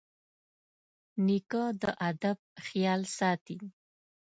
نیکه د ادب خیال ساتي.